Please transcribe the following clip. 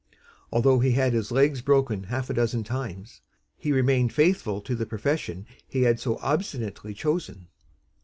Although he had his legs broken half a dozen times, he remained faithful to the profession he had so obstinately chosen.